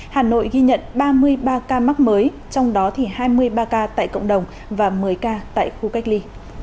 hà nội ghi nhận ba mươi ba ca mắc mới trong đó thì hai mươi ba ca tại cộng đồng và một mươi ca tại khu cách ly